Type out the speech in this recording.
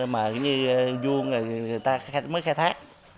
mà như vuông người ta mới khai thác